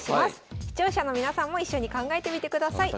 視聴者の皆さんも一緒に考えてみてください。